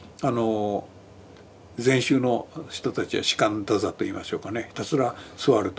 禅宗の人たちは只管打坐といいましょうかねひたすら座ると。